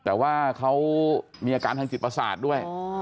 แต่ว่าเขามีอาการทางจิตประสาทด้วย